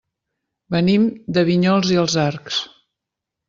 Venim de Vinyols i els Arcs.